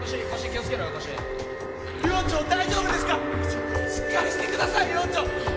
しっしっかりしてください寮長！